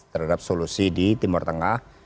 terhadap solusi di timur tengah